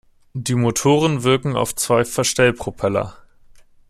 Die Motoren wirken auf zwei Verstellpropeller.